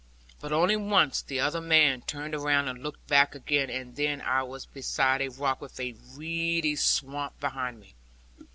But only once the other man turned round and looked back again, and then I was beside a rock, with a reedy swamp behind me.